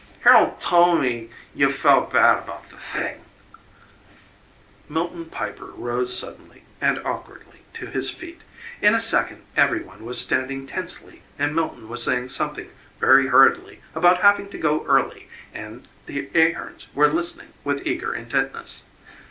Harol' tol' me you felt bad about the thing " Milton Piper rose suddenly and awkwardly to his feet. In a second every one was standing tensely and Milton was saying something very hurriedly about having to go early, and the Ahearns were listening with eager intentness.